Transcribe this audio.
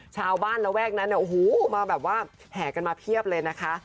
ระแวกนั้นเนี่ยโอ้โหมาแบบว่าแห่กันมาเพียบเลยนะคะ